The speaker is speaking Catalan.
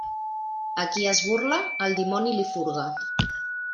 A qui es burla, el dimoni li furga.